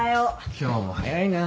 今日も早いな。